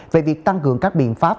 về việc tăng cường các biện pháp